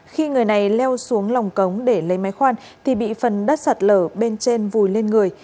khi người này leo xuống lòng cống để lấy máy khoan thì bị phần đất sạt lở bên trên vùi lên người